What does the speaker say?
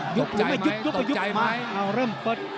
หยุบหรือไม่หยุบหยุบหยุบตกใจไหม